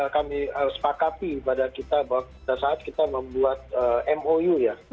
kami sepakati pada kita bahwa pada saat kita membuat mou ya